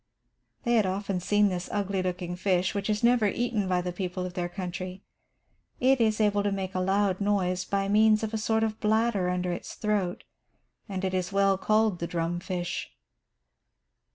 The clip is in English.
They had often seen this ugly looking fish, which is never eaten by the people of their country. It is able to make a loud noise by means of a sort of bladder under its throat, and it is well called the "drum fish."